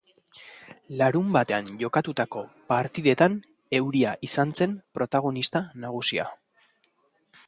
Larunbatean jokatutako partidetan euria izan zen protagonista nagusia.